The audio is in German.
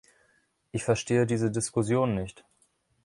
Ich verstehe diese Diskussion nicht.